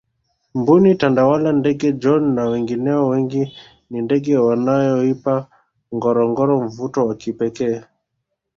mbuni tandawala ndege John na wengineo wengi ni ndege wanaoipa ngorongoro mvuto wa kipekee